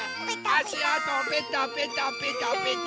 あしあとペタペタペタペタ。